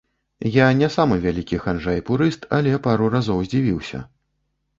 Я не самы вялікі ханжа і пурыст, але пару разоў здзівіўся.